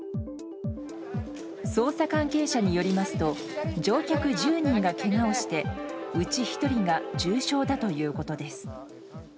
捜査関係者によりますと乗客１０人がけがをしてうち１人が重傷だということです。